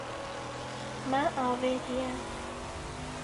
Me avêtiye.